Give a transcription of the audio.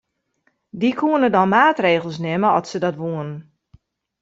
Dy koenen dan maatregels nimme at se dat woenen.